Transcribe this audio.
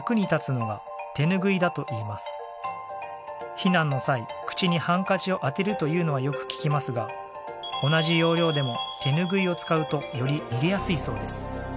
避難の際口にハンカチを当てるというのはよく聞きますが同じ要領でも手ぬぐいを使うとより逃げやすいそうです。